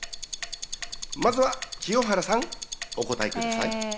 まずは清原さん、お答えください。